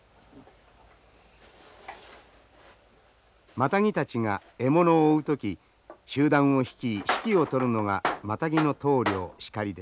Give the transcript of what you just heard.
マタギたちが獲物を追う時集団を率い指揮を執るのがマタギの統領シカリです。